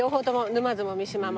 沼津も三島も。